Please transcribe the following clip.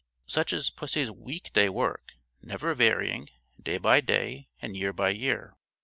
Such is pussy's week day work, never varying, day by day and year by year.